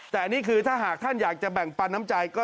แต่นี่คือถ้าหากท่านอยากจะแบ่งปันน้ำใจก็